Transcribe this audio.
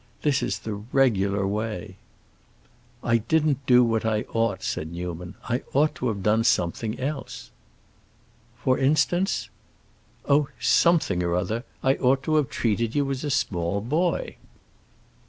This is the regular way." "I didn't do what I ought," said Newman. "I ought to have done something else." "For instance?" "Oh, something or other. I ought to have treated you as a small boy."